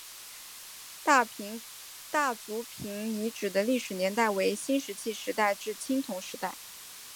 大族坪遗址的历史年代为新石器时代至青铜时代。